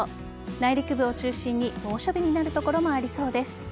内陸部を中心に猛暑日になる所もありそうです。